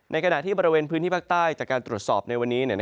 ขณะที่บริเวณพื้นที่ภาคใต้จากการตรวจสอบในวันนี้